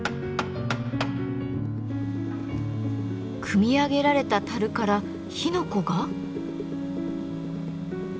組み上げられた樽から火の粉が？